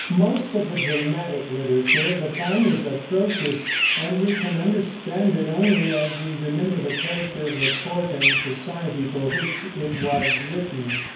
Most of the dramatic literature of the time is atrocious, and we can understand it only as we remember the character of the court and society for which it was written.